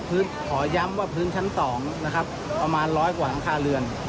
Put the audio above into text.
ขอย้ำว่าพื้นชั้น๒นะครับประมาณร้อยกว่าหลังคาเรือน